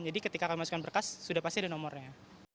jadi ketika kami masukkan berkas sudah pasti ada nomornya